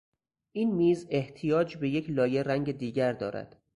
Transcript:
این میز احتیاج به یک لایه رنگ دیگر دارد.